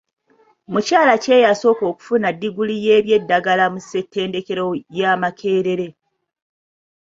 Mukyala ki eyasooka okufuna diguli y'ebyeddagala mu ssettendekero ya Makerere?